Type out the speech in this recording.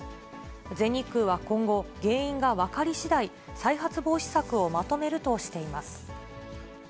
全日空は今後、原因が分かりしだい、再発防止策をまとめるとしています。